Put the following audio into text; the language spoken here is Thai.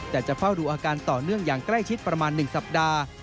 แต่จะเฝ้าดูอาการต่อเนื่องอย่างใกล้ชิดประมาณ๑สัปดาห์